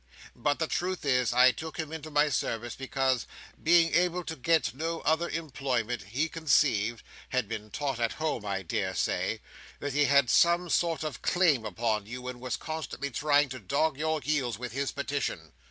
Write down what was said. But the truth is, I took him into my service because, being able to get no other employment, he conceived (had been taught at home, I daresay) that he had some sort of claim upon you, and was constantly trying to dog your heels with his petition.